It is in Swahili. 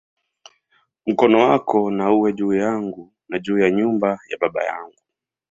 Mkono wako na uwe juu yangu, na juu ya nyumba ya baba yangu"!